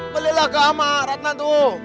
baliklah ke rumah anak anak ratna itu